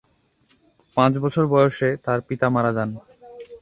পাঁচ বছর বয়সে তার পিতা মারা যান।